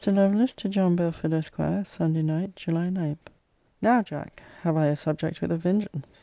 LOVELACE, TO JOHN BELFORD, ESQ. SUNDAY NIGHT, JULY 9. Now, Jack, have I a subject with a vengeance.